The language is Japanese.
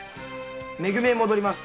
め組へ戻ります。